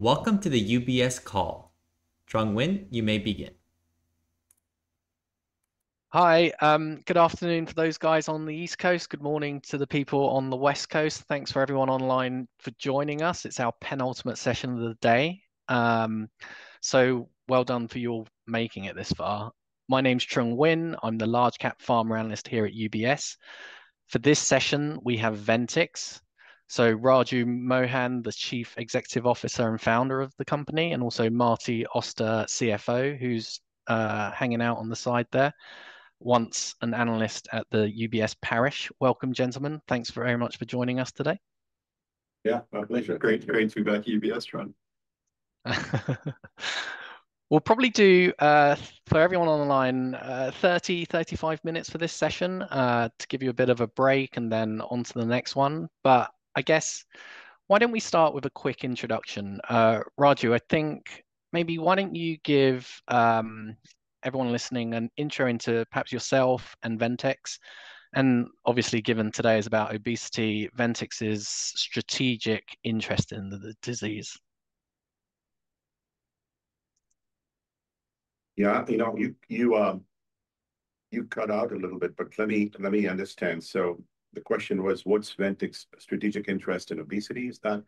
Welcome to the UBS call. Trung Huynh, you may begin. Hi, good afternoon to those guys on the East Coast. Good morning to the people on the West Coast. Thanks for everyone online for joining us. It's our penultimate session of the day. Well done for your making it this far. My name's Trung Huynh. I'm the large cap pharma analyst here at UBS. For this session, we have Ventyx. Raju Mohan, the Chief Executive Officer and founder of the company, and also Marty Auster, CFO, who's hanging out on the side there, once an analyst at the UBS Paris. Welcome, gentlemen. Thanks very much for joining us today. Yeah, my pleasure. Great to be back at UBS, Trung. We'll probably do, for everyone online, 30 minutes-35 minutes for this session, to give you a bit of a break and then on to the next one. But I guess, why don't we start with a quick introduction? Raju, I think maybe why don't you give everyone listening an intro into perhaps yourself and Ventyx, and obviously, given today is about obesity, Ventyx's strategic interest in the disease. Yeah, you know, you cut out a little bit, but let me understand. So the question was, what's Ventyx's strategic interest in obesity? Is that?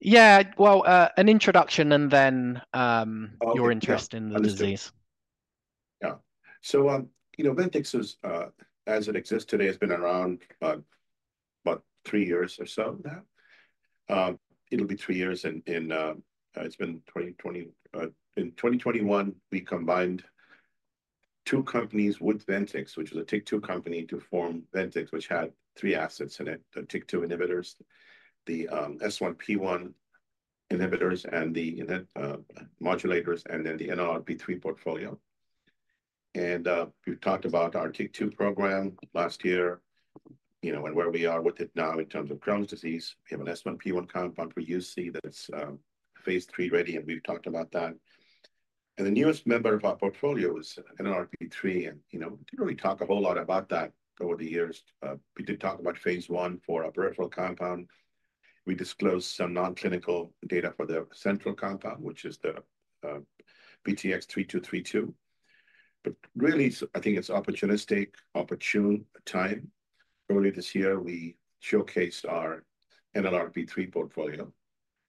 Yeah, well, an introduction and then. Okay, yeah. Your interest in the disease. Understood. Yeah. So, you know, Ventyx is, as it exists today, has been around, about three years or so now. It'll be three years, and, and, it's been 2020. In 2021, we combined two companies with Ventyx, which was a TYK2 company, to form Ventyx, which had three assets in it: the TYK2 inhibitors, the, S1P1 inhibitors, and the, modulators, and then the NLRP3 portfolio. And, we talked about our TYK2 program last year, you know, and where we are with it now in terms of Crohn's disease. We have an S1P1 compound for UC, that's, phase III-ready, and we've talked about that. And the newest member of our portfolio is NLRP3, and, you know, we didn't really talk a whole lot about that over the years. We did talk about phase I for our peripheral compound. We disclosed some non-clinical data for the central compound, which is the VTX3232. But really, I think it's opportunistic, opportune time. Earlier this year, we showcased our NLRP3 portfolio,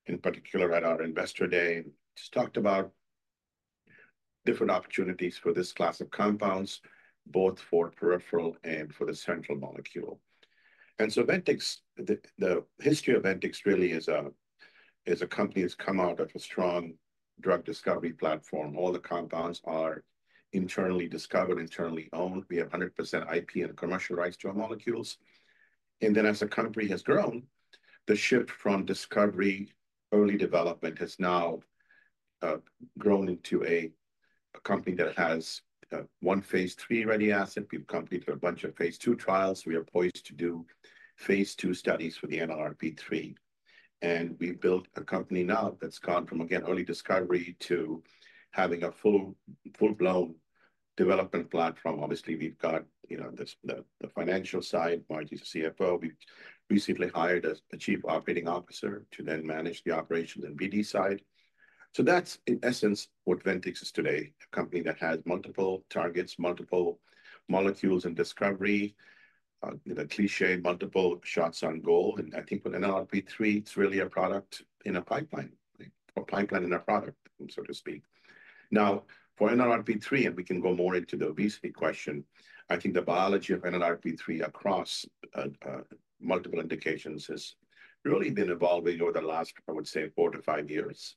in particular at our Investor Day, and just talked about different opportunities for this class of compounds, both for peripheral and for the central molecule. And so Ventyx, the history of Ventyx really is a company that's come out of a strong drug discovery platform. All the compounds are internally discovered, internally owned. We have 100% IP and commercial rights to our molecules. And then as the company has grown, the shift from discovery, early development, has now grown into a company that has one phase III-ready asset. We've completed a bunch of phase II trials. We are poised to do phase II studies for the NLRP3. And we've built a company now that's gone from, again, early discovery to having a full, full-blown development platform. Obviously, we've got, you know, the the financial side. Marty is the CFO. We've recently hired a Chief Operating Officer to then manage the operations and BD side. So that's, in essence, what Ventyx is today, a company that has multiple targets, multiple molecules in discovery, the cliché, multiple shots on goal. And I think with NLRP3, it's really a product in a pipeline, or pipeline in a product, so to speak. Now, for NLRP3, and we can go more into the obesity question, I think the biology of NLRP3 across multiple indications has really been evolving over the last, I would say, four to five years.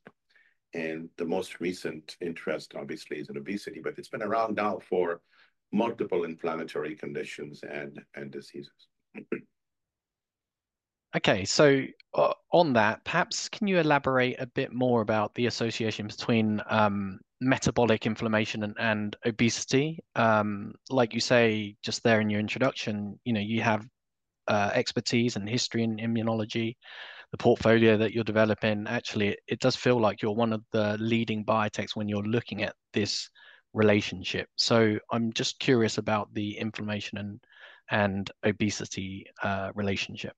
The most recent interest, obviously, is in obesity, but it's been around now for multiple inflammatory conditions and diseases. Okay, so on that, perhaps can you elaborate a bit more about the association between metabolic inflammation and obesity? Like you say, just there in your introduction, you know, you have expertise and history in immunology, the portfolio that you're developing. Actually, it does feel like you're one of the leading biotechs when you're looking at this relationship. So I'm just curious about the inflammation and obesity relationship.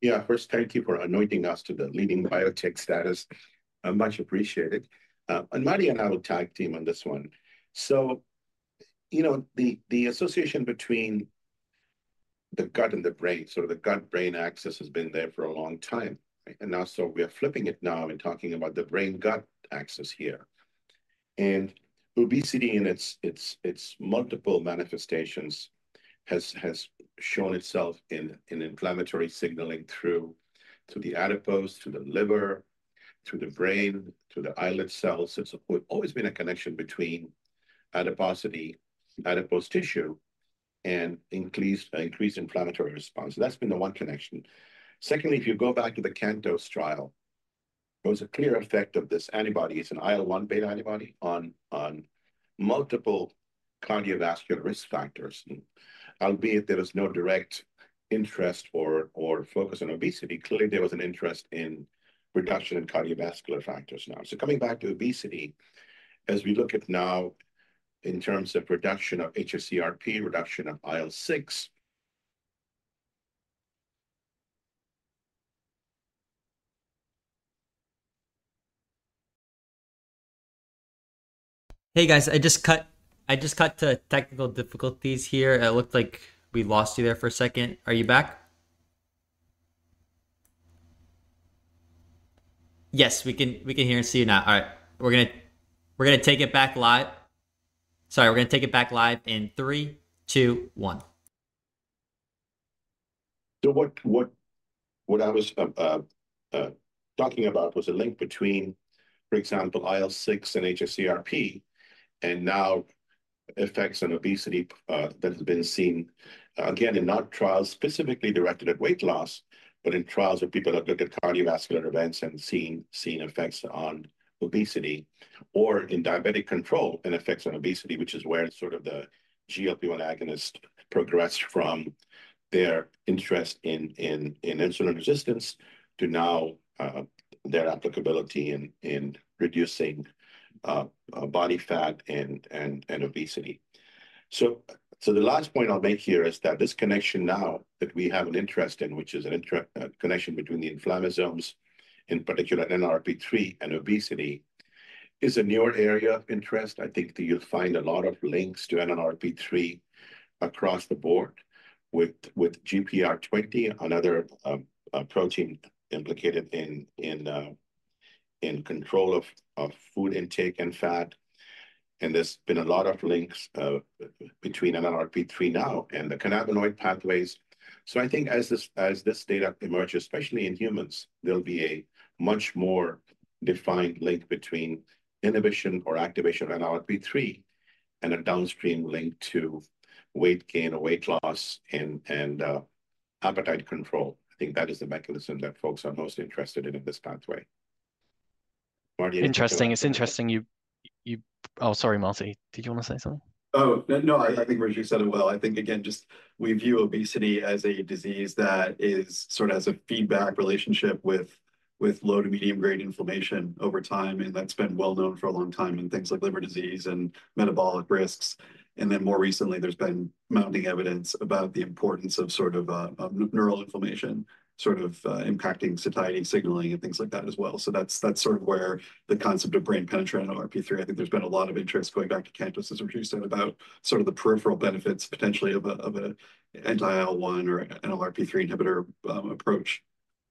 Yeah. First, thank you for anointing us to the leading biotech status, much appreciated, and Marty and I will tag team on this one. So, you know, the association between the gut and the brain, sort of the gut-brain axis, has been there for a long time, right? And now, so we are flipping it now and talking about the brain-gut axis here. And obesity in its multiple manifestations has shown itself in inflammatory signaling through to the adipose, to the liver, to the brain, to the islet cells. It's always been a connection between adiposity, adipose tissue, and increased inflammatory response. That's been the one connection. Secondly, if you go back to the CANTOS trial, there was a clear effect of this antibody. It's an IL-1 beta antibody on multiple cardiovascular risk factors. Albeit there was no direct interest or focus on obesity, clearly, there was an interest in reduction in cardiovascular factors now. So coming back to obesity, as we look at now in terms of reduction of hs-CRP, reduction of IL-6. Hey, guys, I just cut to technical difficulties here. It looked like we lost you there for a second. Are you back? Yes, we can hear and see you now. All right, we're gonna take it back live. Sorry, we're gonna take it back live in three, two, one. So what I was talking about was a link between, for example, IL-6 and hs-CRP, and known effects on obesity that has been seen, again, in not trials specifically directed at weight loss, but in trials where people have looked at cardiovascular events and seen effects on obesity. Or in diabetic control and effects on obesity, which is where sort of the GLP-1 agonist progressed from their interest in insulin resistance to now their applicability in reducing body fat and obesity. So the last point I'll make here is that this connection now that we have an interest in, which is a connection between the inflammasomes, in particular NLRP3 and obesity, is a newer area of interest. I think that you'll find a lot of links to NLRP3 across the board with GPR120, another protein implicated in control of food intake and fat. And there's been a lot of links between NLRP3 now and the cannabinoid pathways. So I think as this data emerges, especially in humans, there'll be a much more defined link between inhibition or activation of NLRP3 and a downstream link to weight gain or weight loss and appetite control. I think that is the mechanism that folks are most interested in this pathway. Marty? Interesting. It's interesting you. Oh, sorry, Marty, did you want to say something? Oh, no, no, I think Raju said it well. I think again, just we view obesity as a disease that is sort of has a feedback relationship with, with low to medium-grade inflammation over time, and that's been well known for a long time in things like liver disease and metabolic risks. And then more recently, there's been mounting evidence about the importance of sort of neural inflammation, sort of impacting satiety signaling and things like that as well. So that's, that's sort of where the concept of brain penetrant NLRP3. I think there's been a lot of interest going back to CANTOS, as Raju said, about sort of the peripheral benefits potentially of a, of a anti-IL-1 or NLRP3 inhibitor approach.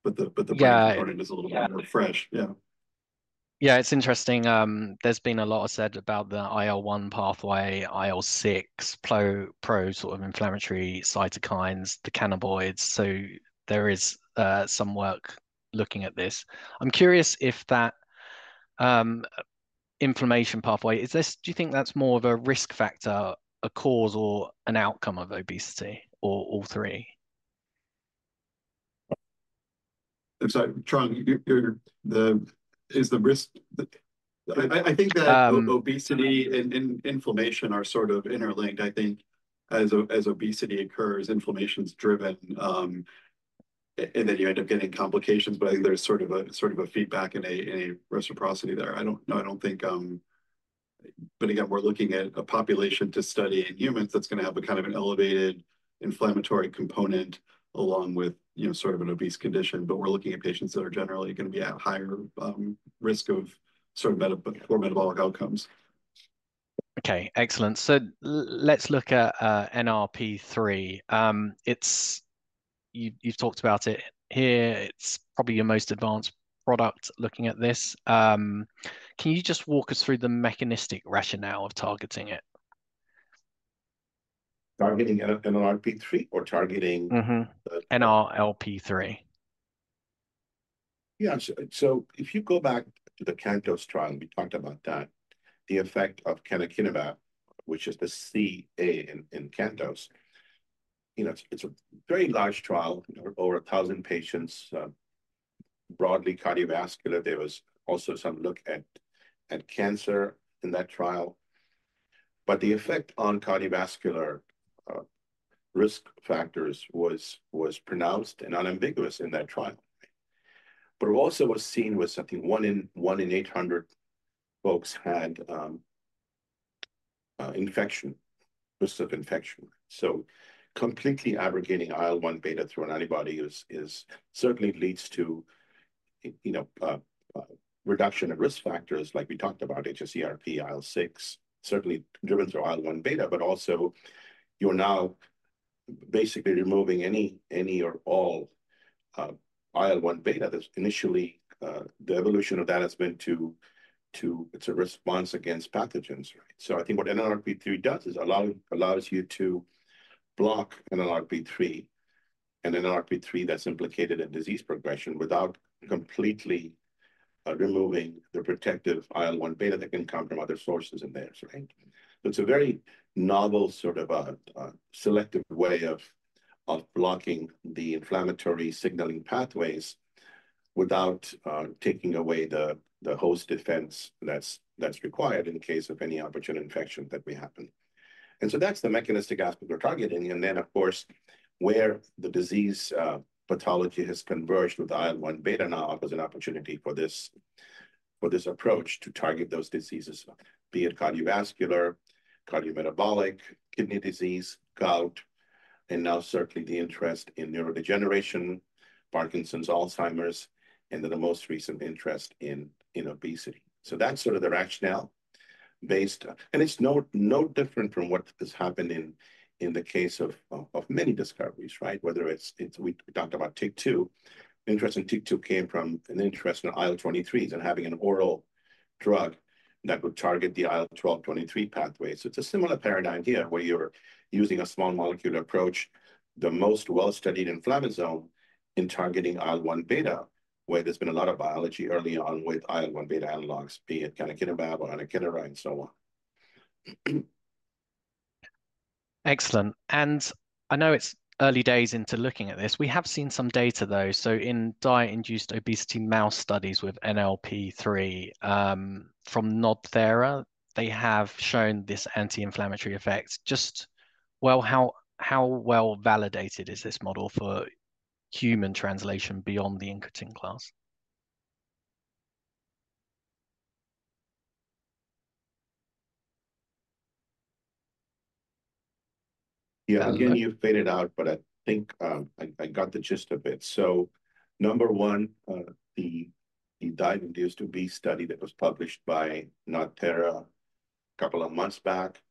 But the, but the. Yeah. Is a little bit more fresh. Yeah. Yeah, it's interesting. There's been a lot said about the IL-1 pathway, IL-6, pro sort of inflammatory cytokines, the cannabinoids, so there is some work looking at this. I'm curious if that inflammation pathway. Do you think that's more of a risk factor, a cause, or an outcome of obesity, or all three? I'm sorry, trying. You're the, is the risk. I think that. Obesity and inflammation are sort of interlinked. I think as obesity occurs, inflammation's driven, and then you end up getting complications, but I think there's sort of a feedback and a reciprocity there. I don't think. But again, we're looking at a population to study in humans that's going to have a kind of an elevated inflammatory component, along with, you know, sort of an obese condition, but we're looking at patients that are generally going to be at higher risk of sort of metabolically poor metabolic outcomes. Okay, excellent. So let's look at NLRP3. You've talked about it here. It's probably your most advanced product, looking at this. Can you just walk us through the mechanistic rationale of targeting it? Targeting NLRP3 or targeting. Mm-hmm. NLRP3. Yeah, so if you go back to the CANTOS trial, we talked about that, the effect of canakinumab, which is the CA in CANTOS. You know, it's a very large trial, over 1,000 patients, broadly cardiovascular. There was also some look at cancer in that trial. But the effect on cardiovascular risk factors was pronounced and unambiguous in that trial. But it also was seen with something, one in 800 folks had infection, risk of infection. So completely abrogating IL-1 beta through an antibody is certainly leads to, you know, reduction in risk factors, like we talked about, hs-CRP, IL-6, certainly driven through IL-1 beta, but also you're now basically removing any or all IL-1 beta. There's initially the evolution of that has been to. It's a response against pathogens, right? So I think what NLRP3 does is allow, allows you to block NLRP3, an NLRP3 that's implicated in disease progression, without completely removing the protective IL-1 beta that can come from other sources in there, right? So it's a very novel, sort of a selective way of blocking the inflammatory signaling pathways without taking away the host defense that's required in case of any opportune infection that may happen. And so that's the mechanistic aspect we're targeting, and then, of course, where the disease pathology has converged with IL-1 beta now offers an opportunity for this approach to target those diseases, be it cardiovascular, cardiometabolic, kidney disease, gout, and now certainly the interest in neurodegeneration, Parkinson's, Alzheimer's, and then the most recent interest in obesity. So that's sort of the rationale based—and it's no, no different from what has happened in, in the case of many discoveries, right? Whether it's, it's—we talked about TYK2. Interest in TYK2 came from an interest in IL-23s and having an oral drug that would target the IL-12/-23 pathway. So it's a similar paradigm here, where you're using a small molecule approach, the most well-studied inflammasome, in targeting IL-1 beta, where there's been a lot of biology early on with IL-1 beta analogues, be it canakinumab or anakinra, and so on. Excellent. And I know it's early days into looking at this. We have seen some data, though. So in diet-induced obesity mouse studies with NLRP3, from NodThera, they have shown this anti-inflammatory effect. Just, well, how well-validated is this model for human translation beyond the incretin class? Yeah, again, you faded out, but I think I got the gist of it. So number one, the diet-induced obese study that was published by NodThera a couple of months back.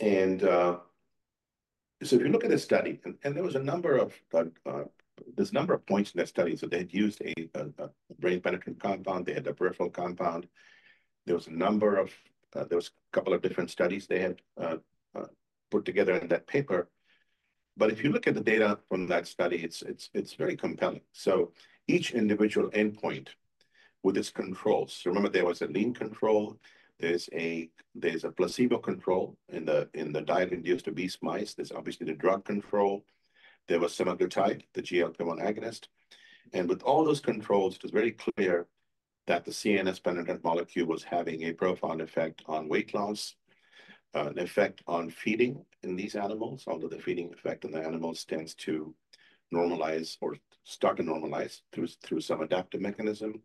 So if you look at the study, and there's a number of points in that study. So they had used a brain-penetrant compound. They had a peripheral compound. There was a couple of different studies they had put together in that paper. But if you look at the data from that study, it's very compelling. So each individual endpoint with its controls. So remember, there was a lean control. There's a placebo control in the diet-induced obese mice. There's obviously the drug control. There was semaglutide, the GLP-1 agonist. With all those controls, it was very clear that the CNS-penetrant molecule was having a profound effect on weight loss, an effect on feeding in these animals, although the feeding effect on the animals tends to normalize or start to normalize through some adaptive mechanism.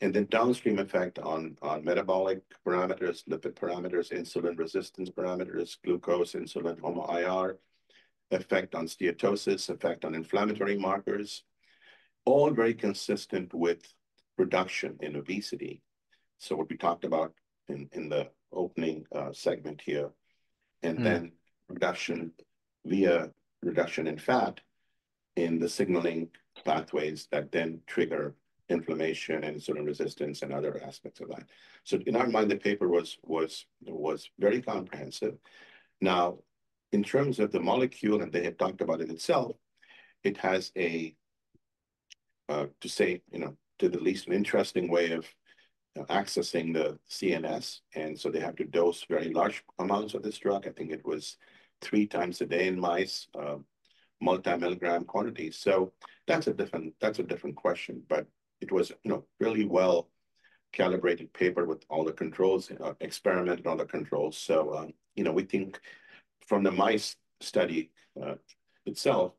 The downstream effect on metabolic parameters, lipid parameters, insulin resistance parameters, glucose, insulin HOMA-IR, effect on steatosis, effect on inflammatory markers, all very consistent with reduction in obesity. So what we talked about in the opening segment here. And then reduction via reduction in fat in the signaling pathways that then trigger inflammation and insulin resistance and other aspects of that. So in our mind, the paper was very comprehensive. Now, in terms of the molecule, and they had talked about it itself, it has a to say, you know, to the least interesting way of accessing the CNS, and so they have to dose very large amounts of this drug. I think it was three times a day in mice, multi-milligram quantities. So that's a different question, but it was, you know, really well-calibrated paper with all the controls, experiment and all the controls. So, you know, we think from the mice study itself,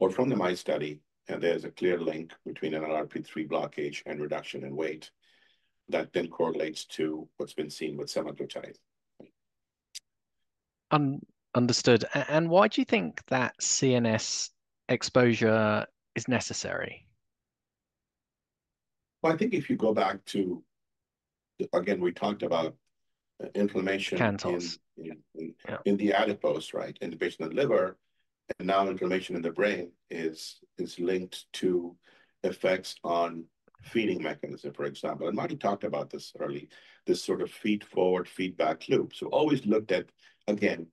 or from the mice study, there's a clear link between an NLRP3 blockage and reduction in weight that then correlates to what's been seen with semaglutide. Understood. And why do you think that CNS exposure is necessary? Well, I think if you go back to, again, we talked about inflammation. CANTOS. In the adipose, right, in the patient liver, and now inflammation in the brain is linked to effects on feeding mechanism, for example. And Marty talked about this early, this sort of feed-forward feedback loop. So always looked at, again,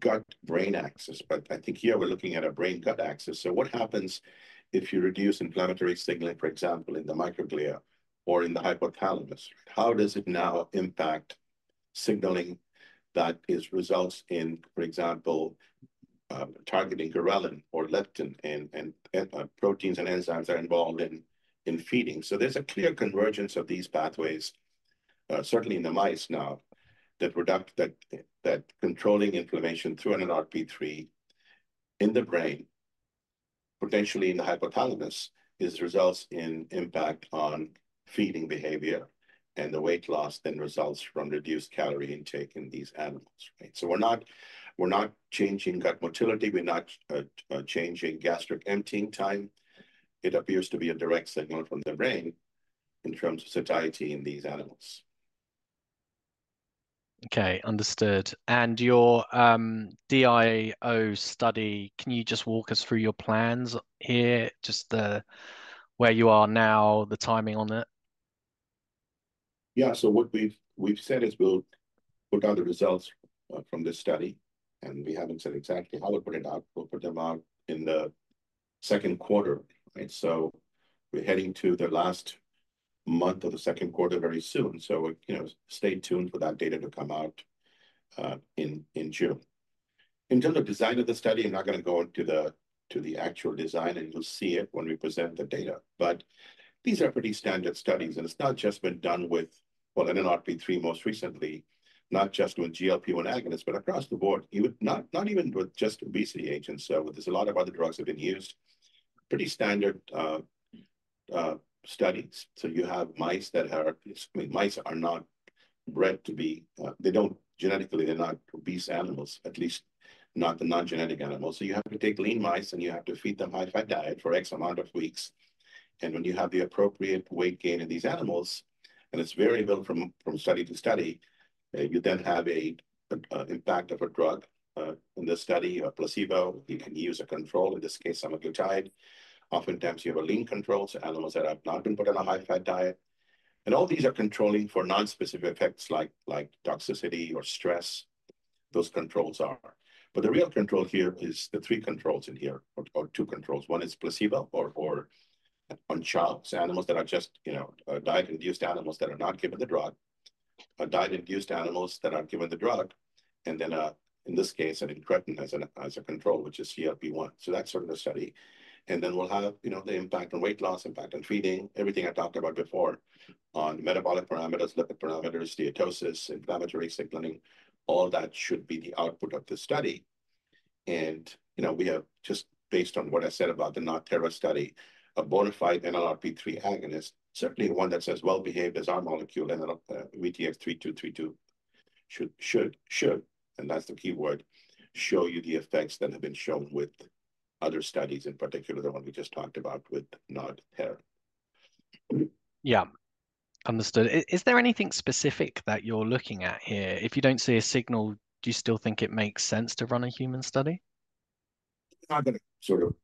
gut-brain axis, but I think here we're looking at a brain-gut axis. So what happens if you reduce inflammatory signaling, for example, in the microglia or in the hypothalamus? How does it now impact signaling that is, results in, for example, targeting ghrelin or leptin and proteins and enzymes that are involved in feeding? So there's a clear convergence of these pathways, certainly in the mice now, that controlling inflammation through an NLRP3 in the brain, potentially in the hypothalamus, is results in impact on feeding behavior, and the weight loss then results from reduced calorie intake in these animals, right? So we're not, we're not changing gut motility. We're not changing gastric emptying time. It appears to be a direct signal from the brain in terms of satiety in these animals. Okay, understood. Your DIO study, can you just walk us through your plans here, just the where you are now, the timing on it? Yeah. So what we've said is we'll put out the results from this study, and we haven't said exactly how we'll put it out. We'll put them out in the second quarter, right? So we're heading to the last month of the second quarter very soon. So, you know, stay tuned for that data to come out in June. In terms of design of the study, I'm not gonna go into the actual design, and you'll see it when we present the data. But these are pretty standard studies, and it's not just been done with NLRP3 most recently, not just with GLP-1 agonists, but across the board, even not even with just obesity agents. But there's a lot of other drugs that have been used. Pretty standard studies. So you have mice that are. Excuse me, mice are not bred to be. They don't, genetically, they're not obese animals, at least not the non-genetic animals. So you have to take lean mice, and you have to feed them a high-fat diet for some amount of weeks. And when you have the appropriate weight gain in these animals, and it's variable from study to study, you then have an impact of a drug. In this study, a placebo, you can use a control, in this case, semaglutide. Oftentimes, you have lean controls, animals that have not been put on a high-fat diet. And all these are controlling for non-specific effects like toxicity or stress, those controls are. But the real control here is the three controls in here, or two controls. One is placebo or chow rats, animals that are just, you know, diet-induced animals that are not given the drug, or diet-induced animals that are given the drug, and then, in this case, an incretin as a control, which is GLP-1. So that's sort of the study. And then we'll have, you know, the impact on weight loss, impact on feeding, everything I talked about before on metabolic parameters, lipid parameters, steatosis, inflammatory signaling, all that should be the output of the study. And, you know, we have, just based on what I said about the NodThera study, a bona fide NLRP3 agonist, certainly one that's as well-behaved as our molecule, and VTX3232 should, and that's the key word, show you the effects that have been shown with other studies, in particular, the one we just talked about with NodThera. Yeah. Understood. Is there anything specific that you're looking at here? If you don't see a signal, do you still think it makes sense to run a human study? I'm gonna sort of.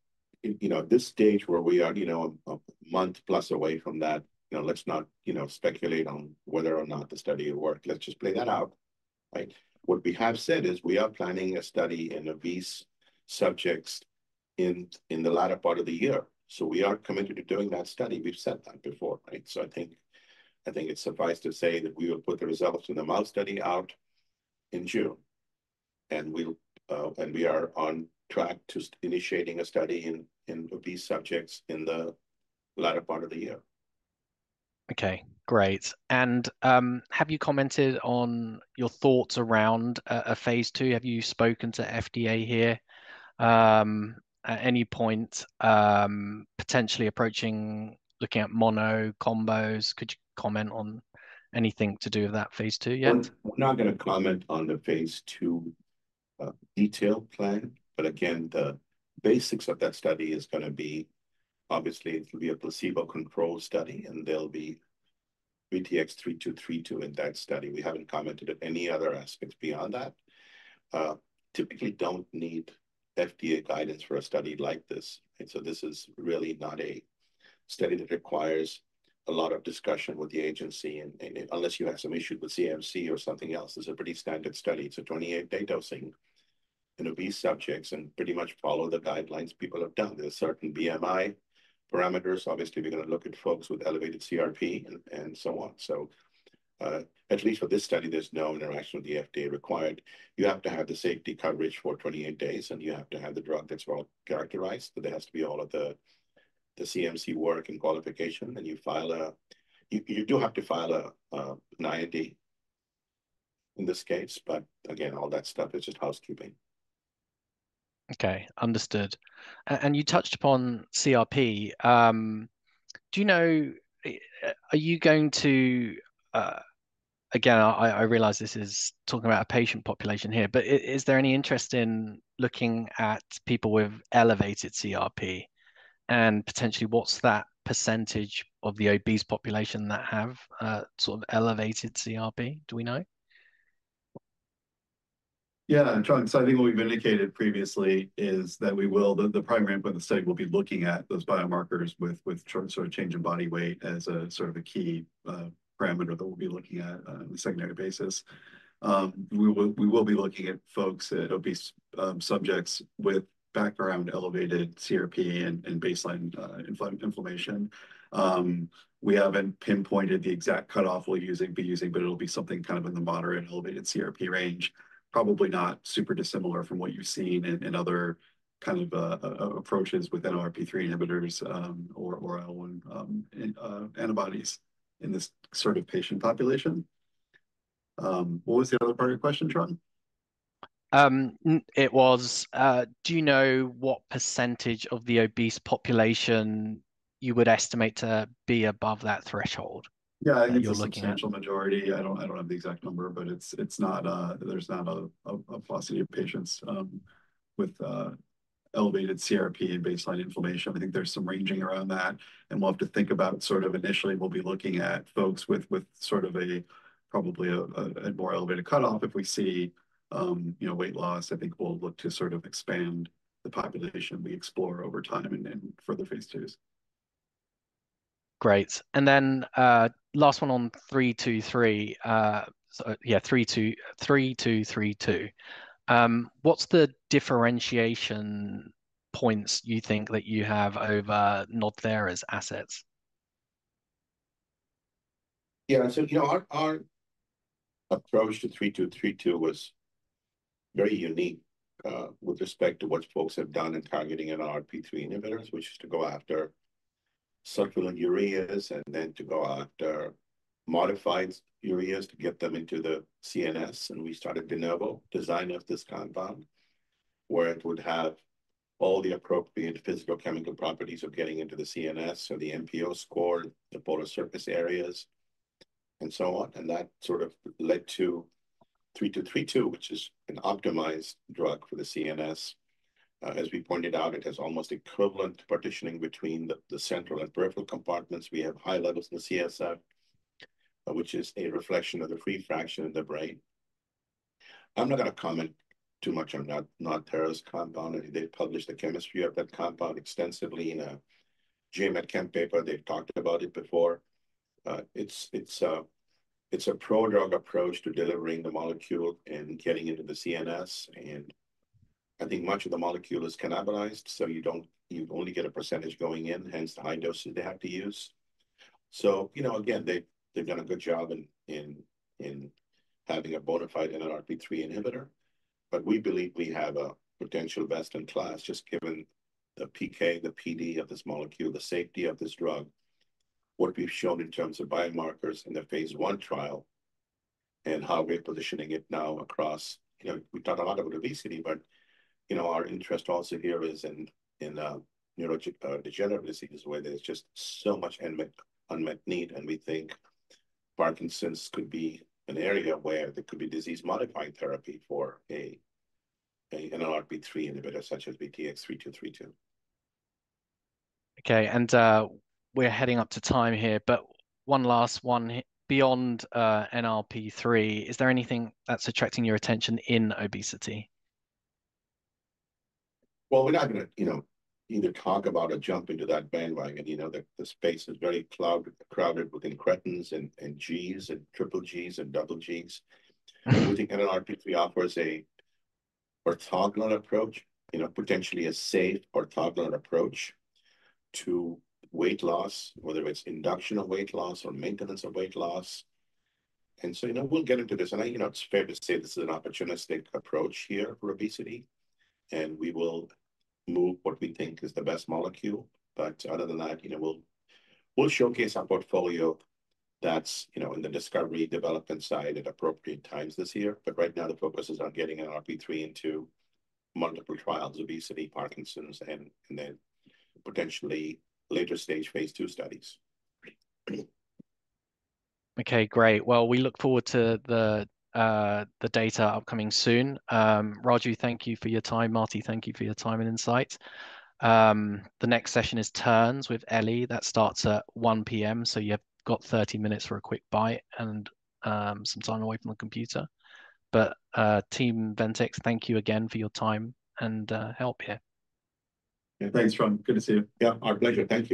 You know, at this stage where we are, you know, a month plus away from that, you know, let's not, you know, speculate on whether or not the study will work. Let's just play that out, right? What we have said is we are planning a study in obese subjects in the latter part of the year, so we are committed to doing that study. We've said that before, right? So I think it's suffice to say that we will put the results of the mouse study out in June, and we'll, and we are on track to initiating a study in obese subjects in the latter part of the year. Okay, great. And have you commented on your thoughts around a phase II? Have you spoken to FDA here at any point potentially approaching looking at mono combos? Could you comment on anything to do with that phase II yet? Well, I'm not gonna comment on the phase II detail plan, but again, the basics of that study is gonna be, obviously, it will be a placebo-controlled study, and there'll be VTX3232 in that study. We haven't commented on any other aspects beyond that. Typically don't need FDA guidance for a study like this. And so this is really not a study that requires a lot of discussion with the agency, and unless you have some issue with CMC or something else, it's a pretty standard study. It's a 28-day dosing in obese subjects, and pretty much follow the guidelines people have done. There are certain BMI parameters. Obviously, we're gonna look at folks with elevated CRP and so on. So, at least for this study, there's no interaction with the FDA required. You have to have the safety coverage for 28 days, and you have to have the drug that's well-characterized, but there has to be all of the CMC work and qualification, and you do have to file an IND in this case, but again, all that stuff is just housekeeping. Okay, understood. And you touched upon CRP. Do you know, are you going to. Again, I realize this is talking about a patient population here, but is there any interest in looking at people with elevated CRP? And potentially, what's that percentage of the obese population that have sort of elevated CRP? Do we know? Yeah, and Trung, so I think what we've indicated previously is that we will. The primary endpoint of the study will be looking at those biomarkers with change in body weight as a sort of a key parameter that we'll be looking at on a secondary basis. We will be looking at obese subjects with background elevated CRP and baseline inflammation. We haven't pinpointed the exact cut-off we're using, but it'll be something kind of in the moderate elevated CRP range, probably not super dissimilar from what you've seen in other kind of approaches with NLRP3 inhibitors or IL-1 and antibodies in this sort of patient population. What was the other part of your question, Trung? Do you know what percentage of the obese population you would estimate to be above that threshold? Yeah, I think. You're looking at a substantial majority. I don't have the exact number, but it's not, there's not a paucity of patients with elevated CRP and baseline inflammation. I think there's some ranging around that, and we'll have to think about sort of initially. We'll be looking at folks with sort of a probably more elevated cut-off. If we see, you know, weight loss, I think we'll look to sort of expand the population we explore over time and then further phase IIs. Great. And then, last one on 3232. So yeah, 3232. What's the differentiation points you think that you have over NodThera's assets? Yeah, so our approach to 3232 was very unique with respect to what folks have done in targeting NLRP3 inhibitors, which is to go after sulfonylureas and then to go after modified ureas to get them into the CNS. We started de novo design of this compound, where it would have all the appropriate physicochemical properties of getting into the CNS, so the MPO score, the polar surface areas, and so on. And that sort of led to 3232, which is an optimized drug for the CNS. As we pointed out, it has almost equivalent partitioning between the central and peripheral compartments. We have high levels in the CSF, which is a reflection of the free fraction of the brain. I'm not going to comment too much on that NodThera's compound. They've published the chemistry of that compound extensively in a J. Med. Chem. paper. They've talked about it before. It's a prodrug approach to delivering the molecule and getting into the CNS, and I think much of the molecule is cannibalized, so you don't—you only get a percentage going in, hence the high doses they have to use. So, you know, again, they've done a good job in having a modified NLRP3 inhibitor, but we believe we have a potential best-in-class, just given the PK, the PD of this molecule, the safety of this drug, what we've shown in terms of biomarkers in the phase I trial, and how we're positioning it now across. You know, we've talked a lot about obesity, but, you know, our interest also here is in neurodegenerative diseases, where there's just so much unmet need. And we think Parkinson's could be an area where there could be disease-modifying therapy for a NLRP3 inhibitor, such as VTX3232. Okay, and, we're heading up to time here, but one last one. Beyond, NLRP3, is there anything that's attracting your attention in obesity? Well, we're not going to, you know, either talk about or jump into that bandwagon. You know, the space is very crowded with incretins and G's, and triple G's, and double G's. We think NLRP3 offers an orthogonal approach, you know, potentially a safe, orthogonal approach to weight loss, whether it's induction of weight loss or maintenance of weight loss. So, you know, we'll get into this. You know, it's fair to say this is an opportunistic approach here for obesity, and we will move what we think is the best molecule. But other than that, you know, we'll showcase our portfolio that's, you know, in the discovery development side at appropriate times this year. But right now, the focus is on getting NLRP3 into multiple trials, obesity, Parkinson's, and then potentially later-stage phase II studies. Okay, great. Well, we look forward to the data upcoming soon. Raju, thank you for your time. Marty, thank you for your time and insight. The next session is Terns with Ellie. That starts at 1:00 P.M., so you've got 30 minutes for a quick bite and some time away from the computer. But, Team Ventyx, thank you again for your time and help here. Yeah, thanks, Trung. Good to see you. Yeah, our pleasure. Thank you.